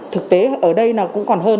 thực tế ở đây là cũng còn hơn